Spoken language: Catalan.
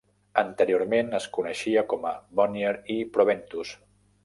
Anteriorment es coneixia com a Bonnier i Proventus.